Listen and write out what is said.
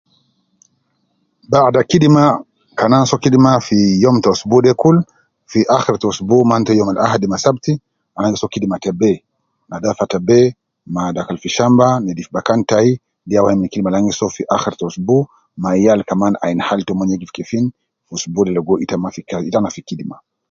Baada kidima kan ana so kidima fi youm ta usbu de kulu fi akhira usbu maana to youm had ma sebti ana gi so kidima ta bee. Nadafa ta bee ma dakalu fi shamba nedifu bakan tayi de wai min kidima Al ana gi so fi akhira usbu ma yal kaman ainu Hali toumon fikefin logo ana fi kidima